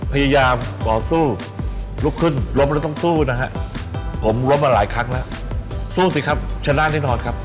พยายามต่อสู้ลุกขึ้นล้มแล้วต้องสู้นะฮะผมล้มมาหลายครั้งแล้วสู้สิครับชนะแน่นอนครับ